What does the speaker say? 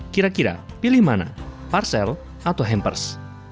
kira kira pilih mana parcel atau hampers